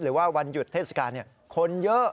หรือว่าวันหยุดเทศกาลนี่คนเยอะ